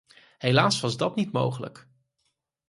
Helaas was dat niet mogelijk.